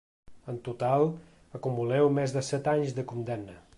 En total acumuleu més de set anys de condemna.